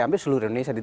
hampir seluruh indonesia